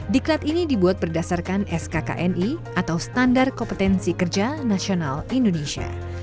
diklat ini dibuat berdasarkan skkni atau standar kompetensi kerja nasional indonesia